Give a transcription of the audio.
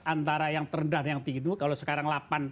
antara yang terendah yang tinggi itu kalau sekarang